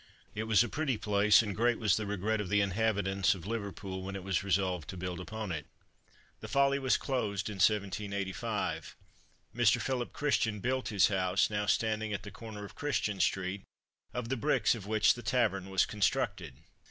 It was a pretty place, and great was the regret of the inhabitants of Liverpool when it was resolved to build upon it. The Folly was closed in 1785. Mr. Philip Christian built his house, now standing at the corner of Christian street, of the bricks of which the Tavern was constructed.